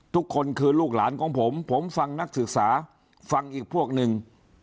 ทุกคนคือลูกหลานของผมผมฟังนักศึกษาฟังอีกพวกหนึ่ง